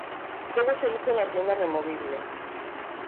Solo se hizo una tienda removible.